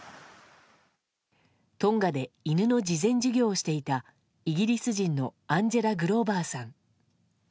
トンガで犬の慈善事業をしていたイギリス人のアンジェラ・グローバーさん。